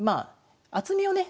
厚みをね